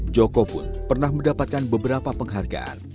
joko pun pernah mendapatkan beberapa penghargaan